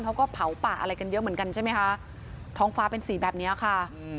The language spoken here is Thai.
เขาก็เผาป่าอะไรกันเยอะเหมือนกันใช่ไหมคะท้องฟ้าเป็นสีแบบเนี้ยค่ะ